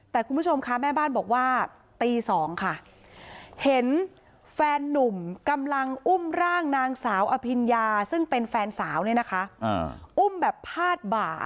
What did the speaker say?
แต่คุณผู้ชมคะแม่บ้านบอกว่าตี๒ค่ะเห็นแฟนนุ่มกำลังอุ้มร่างนางสาวอภิญญาซึ่งเป็นแฟนสาวเนี่ยนะคะอุ้มแบบพาดบ่า